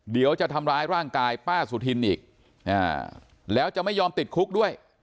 เดี๋ยวจะทำร้ายร่างกายป้าสุธินอีกแล้วจะไม่ยอมติดคุกด้วย